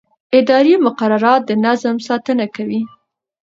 اداري مقررات د نظم ساتنه کوي.